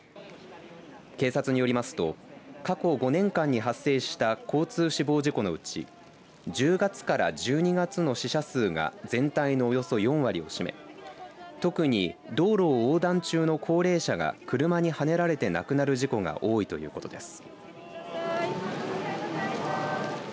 警察によりますと過去５年間に発生した交通死亡事故のうち１０月から１２月の死者数が全体のおよそ４割を占め特に道路を横断中の高齢者が車にはねられて亡くなる事故が多いということです。